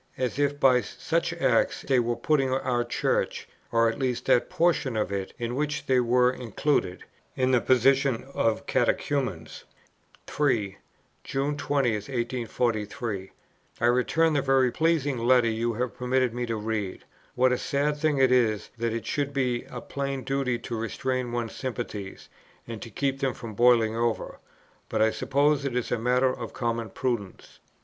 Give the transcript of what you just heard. as if by such acts they were putting our Church, or at least that portion of it in which they were included, in the position of catechumens." 3. "June 20, 1843. I return the very pleasing letter you have permitted me to read. What a sad thing it is, that it should be a plain duty to restrain one's sympathies, and to keep them from boiling over; but I suppose it is a matter of common prudence.